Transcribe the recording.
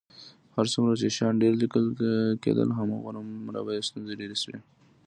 هر څومره چې شیان ډېر لیکل کېدل، همغومره به یې ستونزې ډېرې شوې.